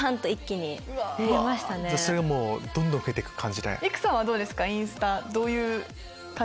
それがどんどん増えていく感じで。